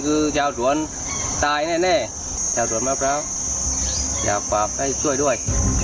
คือชาวสวนตายแน่ชาวสวนมะพร้าวอยากฝากให้ช่วยด้วย